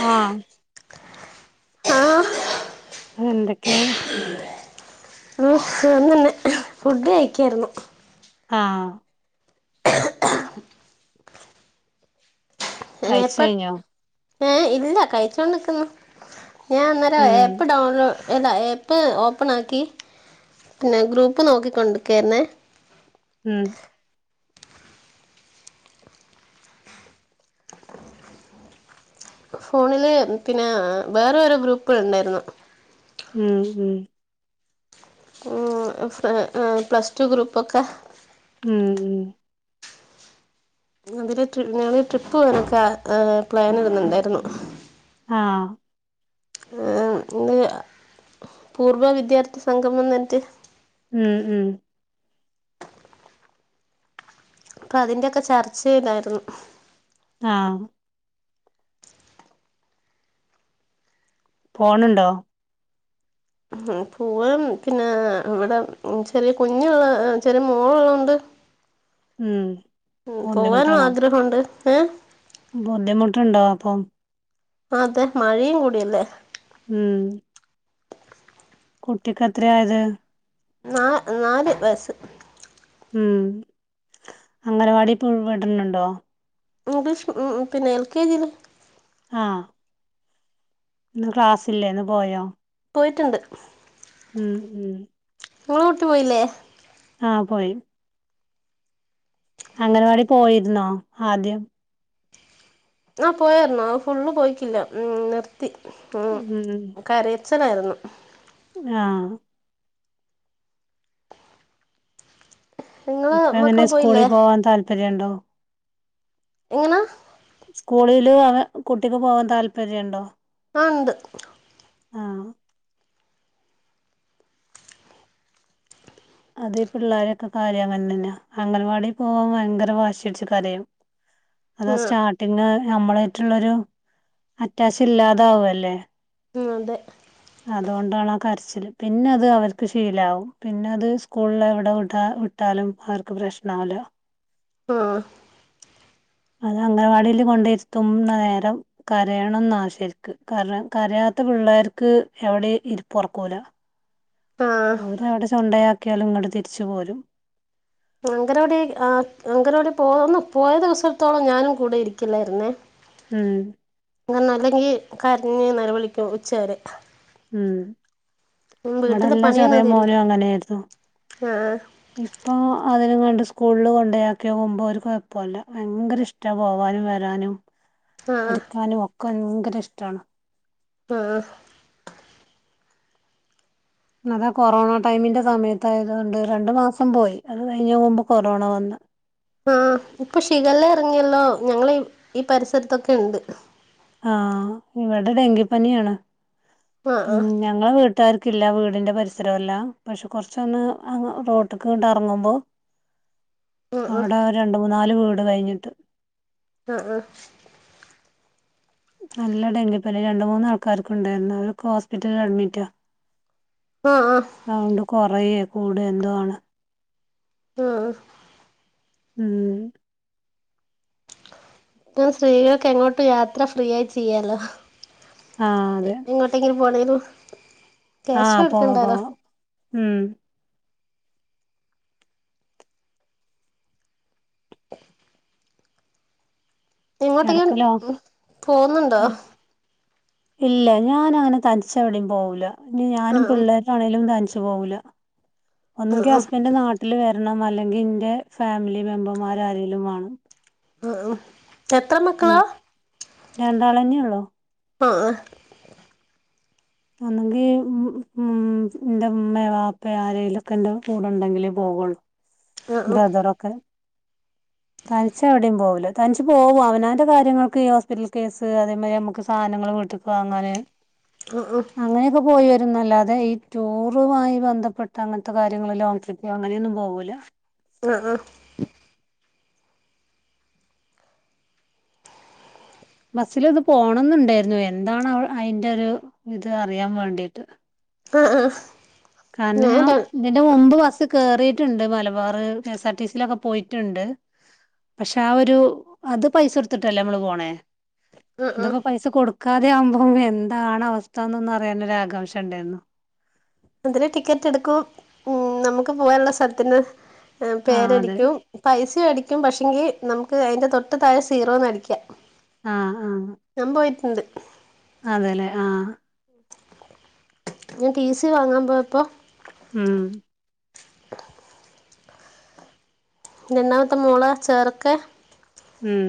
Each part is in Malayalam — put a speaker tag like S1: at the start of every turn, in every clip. S1: ആഹ്
S2: ആഹ്
S1: അതെന്തെ ക്കെയാ
S2: ആ സുഖം തന്നെ ഫുഡ് കഴിക്കായിരുന്നു
S1: ആഹ് കഴിച്ച് കഴിഞ്ഞോ
S2: ഏഹ് ഇല്ല കഴിച്ചോണ്ട്ക്ക്ന്നു ഞാൻ അന്നേരം
S1: ഉം
S2: ആപ്പ് ഡൗൺലോ അല്ലാ ഏപ്പ് ഓപ്പൺ ആക്കി പിന്നെ ഗ്രൂപ്പ് നോക്കിക്കൊണ്ട് നിക്കാരുന്നേ
S1: ഉം
S2: ഫോണില് പിന്നെ വേറെ ഓരോ ഗ്രൂപ്പുകൾ ഉണ്ടായിരുന്നു
S1: ഉം ഉം
S2: പ്ലസ് ടു ഗ്രൂപ്പൊക്കെ
S1: ഉം ഉം
S2: അതില് ട്ര് ഞങ്ങള് ട്രിപ്പ് പോവാനൊക്ക പ്ലാൻ ഇടുന്നുണ്ടായിരുന്നു
S1: ആഹ്
S2: ഇന്ന് പൂർവ വിദ്യാർത്ഥി സംഘം വന്നിട്ട്
S1: ഉം ഉം
S2: അപ്പൊ അതിന്റൊക്കെ ചർച്ചെയ്ലായിരുന്നു
S1: ആഹ് പോണുണ്ടോ
S2: ഉം പൂവാൻ പിന്നെ ഇവിടെ ചെറിയ കുഞ്ഞുള്ള ചെറിയ മോളുള്ളോണ്ട്
S1: ഉം
S2: ഉം പോവാനും
S1: ബുദ്ധിമുട്ടാണോ
S2: ആഗ്രഹമുണ്ട് ഏഹ്
S1: ബുദ്ധിമുട്ടുണ്ടോ അപ്പം
S2: അതെ മഴയും കൂടിയല്ലേ
S1: ഉം കുട്ടിക്കെത്ര ആയത്
S2: നാ നാല് വയസ്സ്
S1: ഉം അംഗനവാടിപ്പോ വിടണുണ്ടോ
S2: ഇംഗ്ലീഷ് ഉം ഉം പിന്നെ എൽ കെ ജിയില്
S1: ആ ഇന്ന് ക്ലാസ്സില്ലെന്ന് പോയോ
S2: പോയിട്ടുണ്ട്
S1: ഉം ഉം
S2: നിങ്ങളെ കുട്ടി പോയില്ലേ
S1: ആ പോയി അംഗനവാടി പോയിരുന്നോ ആദ്യം
S2: ആ പോയാരുന്നു അത് ഫുള്ള് പോയിക്കില്ല ഉം നിർത്തി ഉം കര ച്ചിലായിരുന്നു
S1: ആ
S2: നിങ്ങളെ മക്കൾ
S1: ഇപ്പങ്ങനെ സ്കൂളിൽ
S2: പോയില്ലേ
S1: പോവാൻ താല്പര്യം ഉണ്ടോ
S2: എങ്ങനാ
S1: സ്കൂളില അവ കുട്ടിക്ക് പോവാാൻ താല്പര്യണ്ടോ
S2: ആ ണ്ട്
S1: ആഹ് അത പിള്ളോരെയൊക്കെ കാര്യം അങ്ങനന്നെ അംഗൻവാടി പോവാാൻ ഭയങ്കര വാശിടിച്ചു കരയാം
S2: ആ
S1: അതാ സ്റ്റാർട്ടിങ് നമ്മളായിട്ടുള്ളൊരു അറ്റാച്ച് ഇല്ലാതാവല്ലെ
S2: മ് അതേ
S1: അതോണ്ടാണ് ആ കരച്ചില് പിന്നെ അതവർക്ക് ശീലാവും പിന്നെ അത് സ്കൂളിൽ എവിടെ വിടാ വിട്ടാലും അവർക്ക് പ്രശ്നാവില്ല
S2: ആ
S1: അത് അംഗനവാടിയില് കൊണ്ടിരുത്തുന്ന നേരം കരയണംന്നാ ശരിക്ക് കാരണം കരയാത്ത പിള്ളേർക്ക്
S2: ആ
S1: അവര് അവിടെ [inaudible] [inaudible] ഒക്കൽ ഇങ്ങോട്ട് തിരിച്ചു പോരും
S2: അങ്ങനോടി ആ അങ്ങനോടി പോ ഒന്നു പോയ ദിവസടുത്തോളം ഞാനും കൂടെ ഇരിക്കില്ലായിരുന്നേ
S1: മ്മ്
S2: അങ്ങ അല്ലെങ്കി കരഞ്ഞ നല്ല വിളിക്കും ഉച്ചകരെ [unintelligible]
S1: ഉം
S2: വീട്ടിലെ
S1: ഇവിടെല്ലാം ചെറിയ
S2: പണിയൊന്നും തീരില്ല
S1: മോനും അങ്ങനൊയിരുന്നു
S2: ആ
S1: ഇപ്പൊ അതിനുംണ്ട് [unintelligible] [inaudible] ണ്ട് സ്കൂളിൽ കൊണ്ടയാക്കി പോകുമ്പോൾ അവർും എപ്പംമല്ല ഭയങ്കര ഇഷ്ടമാണ് പോവാനും വരാനും [unintelligible]
S2: ആ
S1: [unintelligible] പഠിക്കാനും ഒക്കേ ന്ക് ഭയങ്കര ഇഷ്ടാണ്
S2: ആഹ്
S1: അതാ കൊറോണ ടൈമിന്റെ സമയത്തായതോണ്ട് രണ്ട് മാസം പോയി അത് കഴിഞ്ഞ മുമ്പ് കൊറോണ വന്ന
S2: ആഹ ഇപ്പൊ ഷിഗല ഇറങ്ങിയല്ലോ ഞങ്ങളെ ഈ പരിസരത്തൊക്കെ ഉണ്ട്
S1: ആഹ് ഇവിടെ ഡെങ്കിപ്പനിയാണ്
S2: ആ
S1: പി
S2: ആ
S1: ഞങ്ങ വീട്ട [unintelligible] ത്താർക്കില്ല വീടിന്റെ പരിസരമല്ലാ പക്ഷെ കൊർച്ചൊന്ന് അങ് റോട്ട്ക്ക് ങ്ങട്ട് ഏറ്ങ്ങുമ്പോ
S2: ആ ആ
S1: അവടെ രണ്ട് മൂന്നാല് വീട് ട്ടതഴിഞ്ഞിട്ട്
S2: അ ആഹ്
S1: നല്ല ഡെങ്കിപനി രണ്ട്മൂന്നാൾക്കാർക്ക് ഇണ്ടാര്ന്നു അവരൊക്കെ ഹോസ്പിറ്റലിൽ
S2: ആ ആ ആ
S1: സൗണ്ട് കൊറേയും കൂടെ എന്ത്വാണ്
S2: ആഹ്
S1: ഉം
S2: ഇപ്പൊ സ്ത്രീകൾക്കെങ്ങോട്ടും യാത്ര ഫ്രീ യായ് ചെയ്യാലോ
S1: ആഹ് അതേ
S2: വോളിന്നു [unintelligible]
S1: ആഹ് പോവാ പോവാ ഉം
S2: ഇങ്ങോട്ടേങ്കിലും
S1: എടക്കലോ
S2: പോന്ന്ണ്ടൊ
S1: ഇല്ല ഞാൻ അങ്ങനെ തനിച്ച് എവിടേം പോവൂല ഇനി ഞാനും
S2: ആ
S1: പിള്ളേരാണേലും തനിച്ച് പോവൂല
S2: ആ
S1: ഒന്നങ്കി
S2: ആ
S1: ഹസ്ബൻഡ് നാട്ടിൽ വെര് ണം അല്ലെങ്കിൽ ഇന്റെ ഫാമിലി മെമ്പർമാരാരേലും വാണം
S2: ആഹ് ഉം എത്ര മക്കളാ
S1: രണ്ടാളന്നേ ഒള്ളൂ
S2: അഹ് ആഹ്
S1: ഒന്നെങ്കി ഉം ഇന്റെ ഇമ്മേ വാപ്പെ ആരേലൊക്കെണ്ടൊ കൂടെടെങ്കിലെ പോവൊള്ളു
S2: ആ ആ
S1: ബ്രദറൊക്കെ തനിച്ച് എവിടെം പോവലത് തനിച്ച് പോകും അവനാന്റെ കാര്യങ്ങൾക്ക് ഈ ഹോസ്പിറ്റൽ കേസ് അതേ മായ് രി നമക്ക് സാനങ്ങള് വീട്ട്ക്ക് വാങ്ങാന്
S2: ആ
S1: അങ്ങനെയൊക്കെ പോയി ന്നല്ലാതെ ഈ ടൂറ് മായി ബന്ധപ്പെട്ട് അങ്ങൻത്തെ കാര്യങ്ങള് ലോങ്ങ് ട്രിപ്പ് അങ്ങനെ ഒന്നും പോവൂല
S2: ആ
S1: ബസ്സിലൊന്ന് പോണംന്ന്ണ്ടായിരുന്നു എന്താണ് അയ് അയെന്റെ ഒരു ഇത് അറിയാൻ വേണ്ടീട്ട്
S2: അഹ് അഹ്
S1: കാരണം ഞാം ഇതിന്റെ മുമ്പ് ഫ കേറിയിട്ട്ണ്ട് മലബാർ കെഎസ്ആർടിസിയിലൊക്കെ പോയിട്ട്ണ്ട് പക്ഷെ ആ ഒരു അത് പൈസ കൊടുത്ത്ട്ടല്ലേ നമ്മള് പോണേ
S2: ആ ആ
S1: ഇതൊക്കെ പൈസ കൊടുക ക്കാതെ ആവുംമ്പ എന്താണ് അവസ്ഥന്നൊന്നറിയാനൊരാകാംശ ഇണ്ടായിന്നു
S2: അതില് ടിക്കറ്റ് എടുക്കും ഉം നമക്ക് പോവാൻള്ള സ്ഥലത്തിന്
S1: ആ അതെ
S2: പേരടിക്കും പൈസ സ അടിക്കും പക്ഷെങ്കി നമുക്ക് അതിന്റെ തൊട്ട് താഴെ സീറോന്ന് അടിക്കാ
S1: ആഹ് ആഹ്
S2: ഉണ്ട്
S1: അതേലെ ആഹ്
S2: [unintelligible] ടി സി വാങ്ങാൻ പോപ്പോ
S1: ഉം
S2: രണ്ടാമത്തെ മോളെ ചേർക്കാൻ
S1: ഉം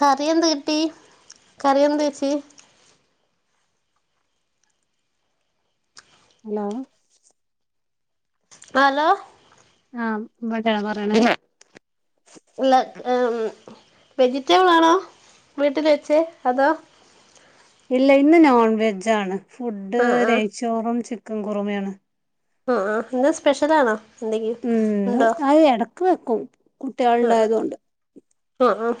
S2: കറി എന്ത് കിട്ടി കറി എന്ത് വെച്ച്
S1: ഹലോ
S2: ഹലോ
S1: ആഹ് വ [unintelligible] പറയണ
S2: ല്ലാ വെജിറ്റബിളാണോ വീട്ടിൽ വെച്ചേ അതോ
S1: ഇല്ല ഇന്ന് നോൺ വെജ്ജാണ് ഫുഡ്
S2: ആ ആ
S1: നെയ്ച്ചോറും ചിക്കനും ഇക്കും കുറമയാണ്
S2: ആ ആ ഇന്ന് സ്പെഷ്യൽ ആണോ
S1: ഉം അത് എടക്ക് കോട്ട [inaudible] കുട്ടികൾ ഉണ്ടായതു കൊണ്ട്
S2: ആ ആ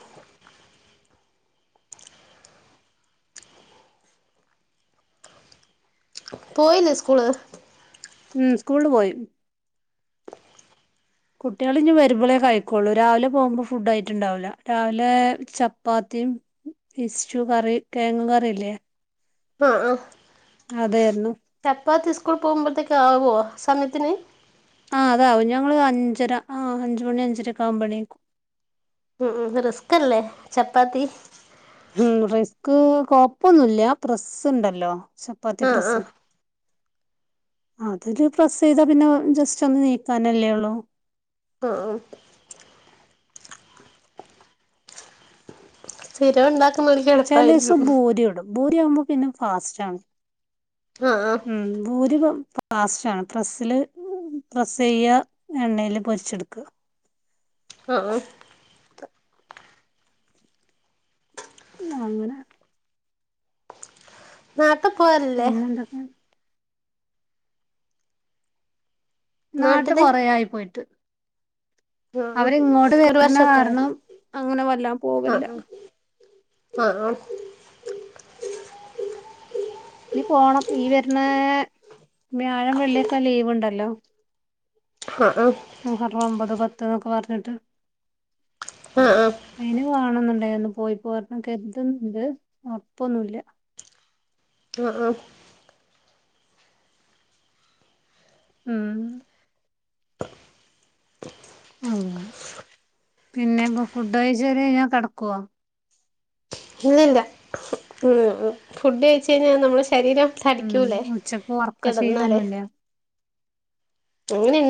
S2: പോയില്ലേ സ്കൂള്
S1: ഉം സ്കൂളില് പോയി കുട്ടികള് ഇനി വരുമ്പോളേ കഴിക്കുള്ളു രാവിലെ പോകുമ്പോ ഫുഡ് ആയിട്ടുണ്ടാവൂല രാവിലെ ചപ്പാത്തിയും ഇഷ്‌ടു കറി കിഴങ്ങ് കറിയില്ലേ
S2: ആ ആ
S1: അതെന്ന്
S2: കാലത്ത് സ്കൂൾ പോകുമ്പോഴത്തേക്ക് ആവോ സമയത്തിന്
S1: ആ അതാവും ഞങ്ങള് അഞ്ചര ആ അഞ്ചു മണി അഞ്ചരൊക്കെ ആവുമ്പോ എണിക്കും
S2: ഉം റിസ്ക് അല്ലേ ചപ്പാത്തി
S1: ഉം റിസ്ക് കൊഴപ്പൊന്നുമില്ല പ്രസ്സുണ്ടല്ലോ ചപ്പാത്തി
S2: ആഹ്
S1: പ്രസാ
S2: ആഹ്
S1: അതില് പ്രസ് ചെയ്താ പിന്നെ ജസ്റ്റ് ഒന്ന് നീക്കാനല്ലേ ഉള്ളു
S2: അ ആ സ്ഥിരം ഉണ്ടാ
S1: ചില ദിവസം ഭൂരി ഇടും ഭൂരി ആവുമ്പോൾ പിന്നെ ഫാസ്റ്റ് ആണ്
S2: ആഹ് ആഹ്
S1: ഉം ഭൂരി ഫാസ്റ്റാണ് പ്രസില് പ്രസ് ചെയ്യ എണ്ണയില് പൊരിച്ചെടുക്ക
S2: അത
S1: അങ്ങനെ
S2: നാട്ടിൽ പോവലില്ലേ
S1: പിന്നെന്തൊക്കെ നാട്ടില് കൊറെ ആയി പോയിട്ട്
S2: ആഹ് ആഹ്
S1: അവരിങ്ങോട്ട്
S2: ഒരു
S1: വരുന്ന
S2: വർഷൊക്കെ ആയോ
S1: കാരണം അങ്ങനെ വല്ലാതെ പോകില്ല
S2: ആ
S1: ഇനി പോണം ഈ വരുന്ന വ്യാഴം വെള്ളിയൊക്കെ ലീവ് ഉണ്ടല്ലോ
S2: ആഹ് ആഹ്
S1: മൂഖടഒമ്പത് പത്ത് എന്നൊക്കെ പറഞ്ഞിട്ട്
S2: ആഹ് ആഹ്
S1: അയിന് വാ- കാണണം എന്ന്ഉണ്ടായിരുന്നു പോയിപ്പോരണം കരുതുണുണ്ട് ഉറപ്പൊന്നുമില്ല
S2: ആ ആ
S1: അ ഓ പിന്നെ ഇപ്പ ഫുഡ് കഴിച്ച് കഴിഞ്ഞാ കിടക്കുവോ
S2: ഇല്ലില്ല ഫുഡ് കഴിച്ച് കഴിഞ്ഞാൽ നമ്മള് ശരീരം
S1: ഉം
S2: തടിക്കൂലേ
S1: ഉച്ചക്ക്
S2: കിടന്നാല്
S1: ഉറക്കശീലൊന്നുല്ല
S2: ഇങ്ങനെ ഇ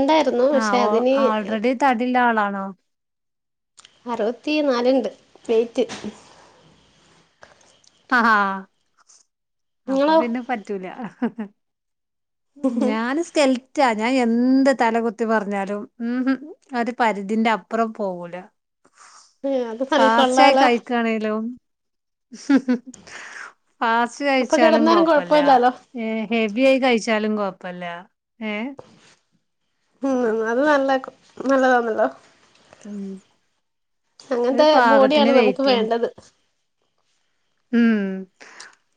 S1: ആഹ് ഓ ഓൾറെഡി തടിള്ള ആളാണോ
S2: അറുപത്തി നാല്ണ്ട് വെയ്റ്റ്
S1: ഹാഹാ അപ്പൊ
S2: നിങ്ങളോ
S1: പിന്നെ പറ്റൂല ഹ് ഹ് ഹ് ഞാന് സ്കെൽറ്റാ ഞാൻ യെന്ത് തല കുത്തി പറഞ്ഞാലും ഊഹും ഒരു പരിധിന്റെ അപ്പുറം പോവൂല
S2: ഉ അത് പണിക്കൊള്ളാലോ
S1: ഇഹ് ഇഹും ഫാസ്റ്റ്
S2: അപ്പൊ
S1: കഴിച്ചാലും
S2: കിടന്നാലും
S1: കൊഴപ്പല്ല
S2: കൊഴപ്പമില്ലാലോ
S1: ഹെ ഹെവി ആയി കഴിച്ചാലും കുഴപ്പ പ്പല്ല ഏ
S2: ഉം അത് നല്ല കൊ നല്ലതാന്നല്ലോ
S1: ഉം ഒരു
S2: അങ്ങൻത്തെ
S1: പാകത്തിന്
S2: ബോഡിയാണ് നമുക്ക്
S1: വെയിറ്റും
S2: വേണ്ടത്
S1: ഉം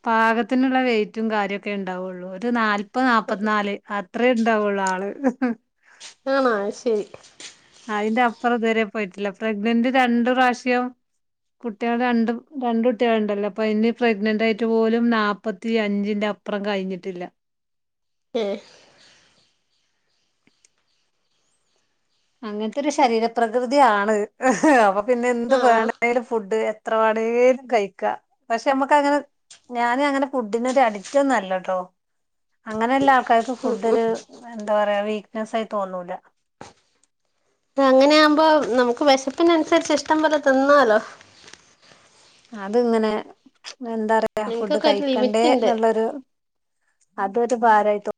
S1: പാകത്തിനുള്ള വെയ്റ്റും കാര്യൊക്കെ ണ്ടാവുള്ളൂ ഒരു നാല് ഇപ്പൊ നാപ്പത്ത്നാല് അ അത്രേ ഉണ്ടാവുള്ളൂ ആള്. ഇഹ്
S2: ആണ അയ്ശരി
S1: അയിന്റപ്പറം ഇത് വരെ പോയ്ട്ടില്ല പ്രഗ്നൻ്റ് രണ്ട് പ്രാവിശ്യം കുട്ട്യാള് രണ്ടും രണ്ടുട്ട്വാളും
S2: ഏഹ്
S1: അങ്ങൻത്തെ ഒരു ശരീരപ്രകൃതിയാണ് ഇഹ് അവ പിന്നെ എന്ത്
S2: ആഹ്
S1: വേണേലും ഫുഡ് എത്ര വാണേലും കഴിക്കാ പക്ഷെ അമ്മക്ക് അങ്ങനെ ഞാന് അങ്ങനെ ഫുഡിനൊരു അഡിക്റ്റൊന്ന ല്ലട്ടോ അങ്ങനെ ഇള്ള ആൾക്കാർക്ക് ഫുഡൊരു എന്താ പറയാ വീക്ക്നെസ് ആയി തോന്നൂല
S2: ഇങ്ങനെയാമ്പോ നമുക്ക് വെശപ്പിനനുസരിച്ച് ഇഷ്ടം പോലെ തിന്നാലോ
S1: അത് ഇങ്ങനെ എന്താ പറയാ ഫുഡ്
S2: എനിക്കൊക്കെ ഒരു
S1: കഴിക്കെണ്ടേ
S2: ലിമിറ്റ് ഉണ്ട്
S1: ന്നുള്ളൊരു അതൊരു ഭാരായി തോ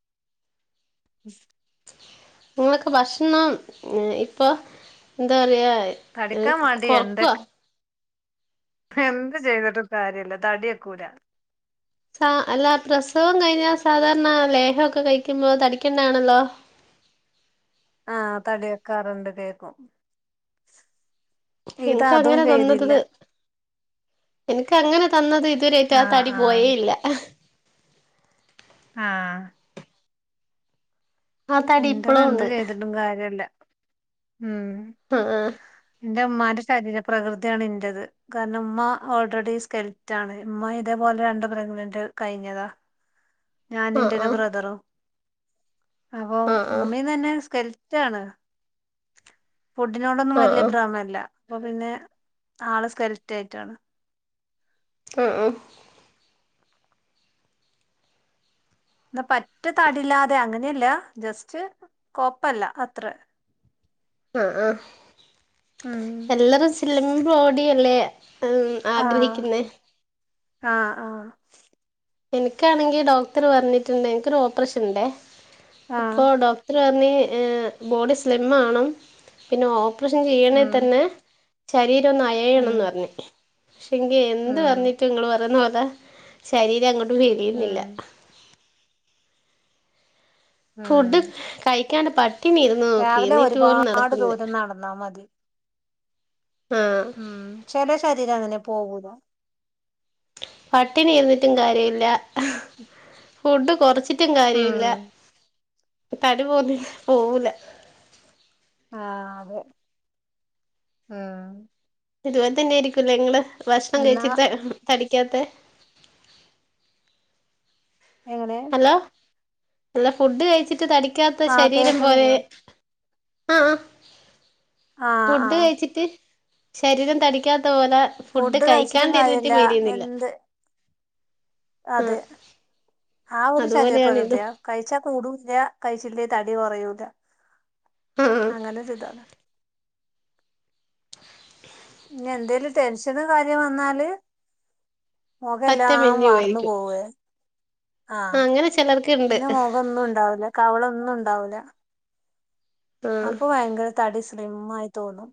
S1: ഉം
S2: നിങൊക്കെ ഭക്ഷണം ഈ ഇപ്പൊ എന്താ പറയാ എ ഏഹ്
S1: തടിക്കാൻ വേണ്ടി
S2: കൊർക്കുവ
S1: എന്തൊക്കെ എന്ത് ചെയ്തിട്ടും കാര്യല്ല തടിക്കൂല.
S2: സ അല്ല പ്രസവം കഴിഞ്ഞാ സാധാരണ ലേഹൊക്കെ കഴിക്കുമ്പോ തടിക്കണ്ടാണല്ലോ.
S1: ആ തടി വെക്കാറുണ്ട് വേഗൊം
S2: ഹിൻക്ക് അങ്ങനെ തന്ന് തന്ന് എൻക്ക് അങ്ങനെ തന്നതെ ഇതുവരേറ്റ ആ
S1: ആഹ്
S2: തടി
S1: ആഹ്
S2: പോയേ ഇല്ല എഹ്
S1: ആഹ്
S2: ആ തടി
S1: ഇന്റത്
S2: ഇപ്പളും
S1: എന്ത്
S2: ഉണ്ട്
S1: ചെയ്തിട്ടും കാര്യല്ല
S2: ആഹ്
S1: ന്റെ മ്മാന്റെ ശരീര പ്രകൃതിയാണ് ൻറത്. കാരണം മ്മ ഓൾറെഡി സ്കെൽറ്റ് ആണ്. ഉമ്മ ഇതേപോലെ രണ്ട് പ്രഗ്നന്റ് കഴിഞ്ഞതാ. ഞാന്
S2: ആഹ്
S1: ഇന്റെ ഒരു
S2: ആഹ്
S1: ബ്രദറും അപ്പൊ
S2: ആഹ്
S1: മ്മീ തന്നെ സ്കെൽ റ്റാണ്. ഫുഡിനോടൊന്നും
S2: ആഹ്
S1: വലിയ
S2: ആഹ്
S1: ഭ്രമില്ല അപ്പൊ പിന്നെ ആള് സ്ക്കെൽറ്റ് ആയിട്ടാണ്
S2: ആഹ് ആഹ്
S1: ഇന്നാ പറ്റ് താടില്ലാതെ അങ്ങനെയല്ല ജസ്റ്റ് കോപ്പല്ല അത്ര
S2: ആഹ് ആഹ്
S1: ഉം
S2: എല്ലാതും സ്ലിംബോ- ടിയല്ലേ [unintelligible] ഉം
S1: ആഹ്
S2: ആഗ്രഹിക്കുന്നെ
S1: ആഹ് ആഹ്
S2: എനിക്കാണെങ്കി ഡോക്ടറ് പറഞ്ഞിട്ടുണ്ടേ എനിക്കൊരു ഓപ്പറേഷൻ ഇണ്ടേ
S1: ആഹ്
S2: അപ്പൊ ഡോക്ടറ് പറ - ഇനി ബോഡി സ്ലിം ആവണം പിന്നെ ഓ- ഓപ്പറേഷൻ ചെയ്യണേ
S1: ഉം
S2: തന്നെ ശരീ- രം ഒന്ന് അയ്ണം
S1: ഉം
S2: പറഞ്ഞ് പക്ഷെയെങ്കി എന്ത്‌
S1: ഉം
S2: പറഞ്ഞിട്ടും നിങ്ങള് പറയുന്നപോലെ- ഹ് ശരീ യെ വരിയുന്നില്ല
S1: ഉം ഉം
S2: ഫുഡ് കഴി കാന പാറ്റ്
S1: രാവിലെ ഒരുപാട് ദൂരം നടന്നാ മതി
S2: ആ
S1: ഉം ചില ശരിരം അങ്ങനെയാ അങ്ങനെ പോകുല
S2: പട്ടിണി ഇരുന്നിട്ടും കാര്യമില്ല
S1: ഉ
S2: ഫുഡ് കുറച്ച് ഒറ്റും കാര്യില്ല തടി പോന്നി പോവൂല
S1: ആഹ അതെ ഉം
S2: ഇതുപോൽ തന്നെ ഇരിക്കും ലെ ഇങ്ങള് ഭക്ഷണം
S1: എന്നാ
S2: കഴിച്ചിട്ട് ഉം തടിക്കാതെ
S1: എങ്ങനെ
S2: ഹലോ അല്ല ഫുഡ് കഴിച്ചിട്ട് തടി ടിക്കാത്ത
S1: ആഹ്
S2: ശരീരം പോലെ
S1: കേൾക്കണില്ലേ
S2: ആഹ
S1: ആഹ്
S2: ഫുഡ്
S1: ആഹ്
S2: കഴിച്ചിട്ട് ശരീരം തടിക്കാൻ ത്ത പോലെ ഫുഡ് കഴിക്കാണ്ടിരുത്തി ഫീലിയുന്നില്ല
S1: അതെ ആ ഒരു ശരീര
S2: അതുപോലെയാണ്
S1: പ്രകൃതിയ
S2: ഇതും
S1: കഴിച്ച കൂടുല്ലാ കഴിച്ചില്ലെ തടി ഇയ്യ് പറയൂല
S2: ആഹ്
S1: അങ്ങനെ ചെയതള ഇന്ന എന്തേലും ടെൻഷനോ കാര്യം വന്നാല്
S2: പറ്റെ
S1: മുഖെല്ലാം
S2: മെലിഞ്ഞു
S1: വാർന്നു
S2: പോയിരിക്കും
S1: പോവേ ആഹ
S2: ആഹ് അങ്ങനെ ചിലർക്ക്ണ്ട്
S1: പിന്നെ മുഖൊന്നുണ്ടാവൂല്ല കവളൊന്നും ഉണ്ടാവൂല്ലാ
S2: ആഹ്
S1: അപ്പൊ ഭയങ്കര തടിസ്ലിം മ്മായി തോന്നും